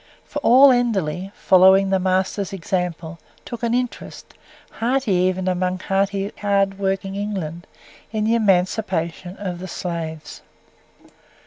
For all Enderley, following the master's example, took an interest, hearty even among hearty hard working England, in the Emancipation of the Slaves.